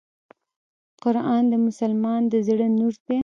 قرآن د مسلمان د زړه نور دی .